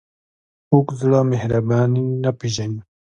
کوږ زړه مهرباني نه پېژني